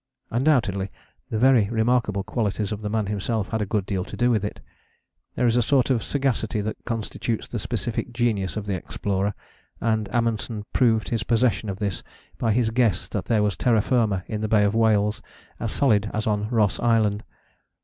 Undoubtedly the very remarkable qualities of the man himself had a good deal to do with it. There is a sort of sagacity that constitutes the specific genius of the explorer; and Amundsen proved his possession of this by his guess that there was terra firma in the Bay of Whales as solid as on Ross Island.